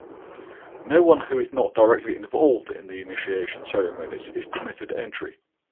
No one who is not directly involved in the initiation ceremonies is permitted entry.